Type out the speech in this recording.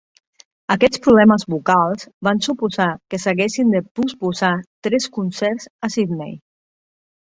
Aquests problemes vocals van suposar que s'haguessin de posposar tres concerts a Sydney.